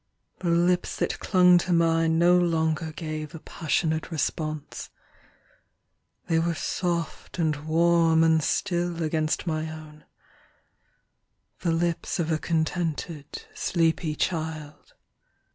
The lips that clung to mine no longer gave A passionate response. They were Soft and warm and still against my own,— The lips of a contented, sleepy child.